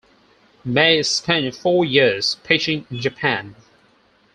May spent four years pitching in Japan.